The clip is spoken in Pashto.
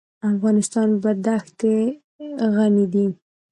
افغانستان په دښتې غني دی.